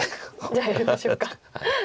じゃあやりましょうか。